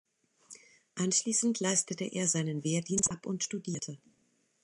Anschließend leistete er seinen Wehrdienst ab und studierte.